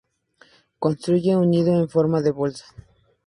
Construye un nido en forma de bolsa.